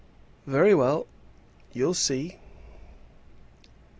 "Very well; you'll see."